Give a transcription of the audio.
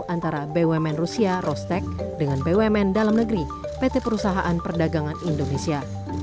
antara bumn rusia rostek dengan bumn dalam negeri pt perusahaan perdagangan indonesia